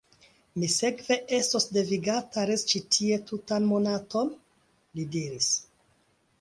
Mi sekve estos devigata resti ĉi tie tutan monaton? li diris.